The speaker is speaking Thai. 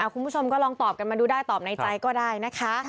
คุณผู้ชมก็ลองตอบกันมาดูได้ตอบในใจก็ได้นะคะ